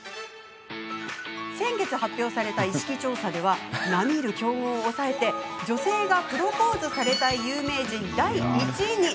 先月、発表された意識調査では並み居る強豪を抑えて女性がプロポーズされたい有名人第１位に！